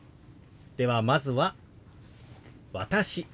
ではまずは「私」。